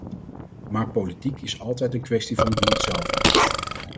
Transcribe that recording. Maar politiek is altijd een kwestie van doe-het-zelven.